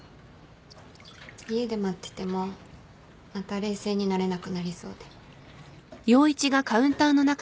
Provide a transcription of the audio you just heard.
家で待っててもまた冷静になれなくなりそうで。